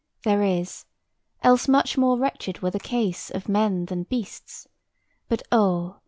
There is:—else much more wretched were the case Of men than beasts: But oh!